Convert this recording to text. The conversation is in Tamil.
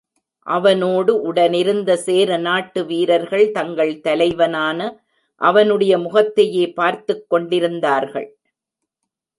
அவனோடு உடனிருந்த சேரநாட்டு வீரர்கள் தங்கள் தலைவனான அவனுடைய முகத்தையே பார்த்துக் கொண்டிருந்தார்கள்.